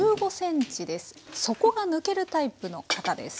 底が抜けるタイプの型です。